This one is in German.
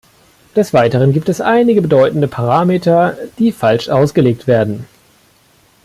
Des Weiteren gibt es einige bedeutende Parameter, die falsch ausgelegt werden.